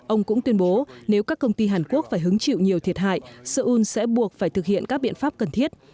ông cũng tuyên bố nếu các công ty hàn quốc phải hứng chịu nhiều thiệt hại seoul sẽ buộc phải thực hiện các biện pháp cần thiết